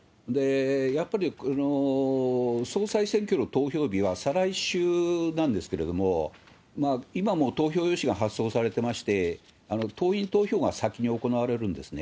やっぱり総裁選挙の投票日は再来週なんですけれども、今も投票用紙が発送されていまして、党員投票が先に行われるんですね。